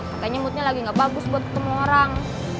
makanya moodnya lagi gak bagus buat ketemu orang